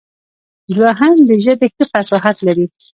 دوهم د ژبې ښه فصاحت لري.